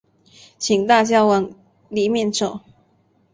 请大家往里面走